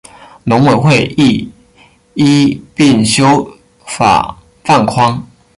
农委会亦一并修法放宽